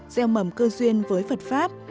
gieo mầm cơ duyên với phật pháp